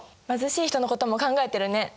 貧しい人のことも考えてるね。